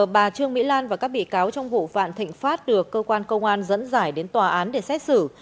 bà trương mỹ lan và các bị cáo trong vụ vạn thịnh pháp được cơ quan công an dẫn giải đến tòa án để xét xử